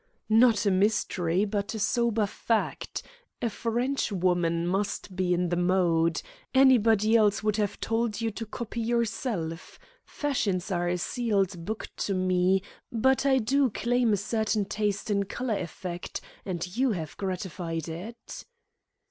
"Not a mystery, but a sober fact. A Frenchwoman must be in the mode. Anybody else would have told you to copy yourself. Fashions are a sealed book to me, but I do claim a certain taste in colour effect, and you have gratified it."